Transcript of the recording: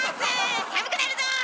寒くなるぞ！